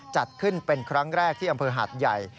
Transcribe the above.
จัดขึ้นเป็นครั้งแรกที่อำเภอหาดใหญ่